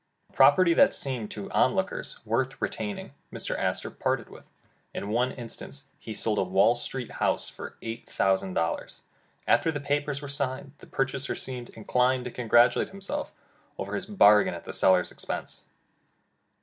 Property that seemed to the onlookers worth retain ing, Mr. Astor parted with. In one instance, he sold a Wall Street house for eight thousand dollars. After the papers were signed, the purchaser seemed inclined to congratulate himself over his bargain at the seller's expense.